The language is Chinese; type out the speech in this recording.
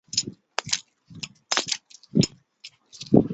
水分的不足使乔木难以立足。